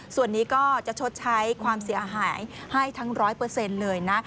ส่วนนี้ก็จะชดใช้ความเสียหายให้ทั้ง๑๐๐เลยนะ